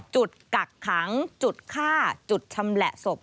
กักขังจุดฆ่าจุดชำแหละศพ